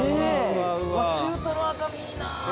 中トロ赤身いいな。